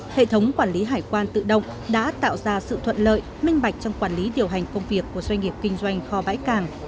hệ thống quản lý hải quan tự động đã tạo ra sự thuận lợi minh bạch trong quản lý điều hành công việc của doanh nghiệp kinh doanh kho bãi càng